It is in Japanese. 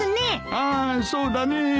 ああそうだね。